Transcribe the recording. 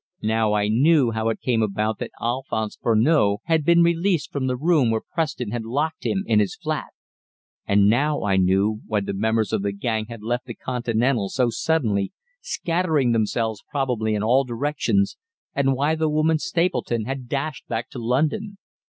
Now I knew how it came about that Alphonse Furneaux had been released from the room where Preston had locked him in his flat. And now I knew why the members of the gang had left the "Continental" so suddenly, scattering themselves probably in all directions, and why the woman Stapleton had dashed back to London.